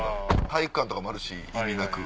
体育館とかもあるし意味なく。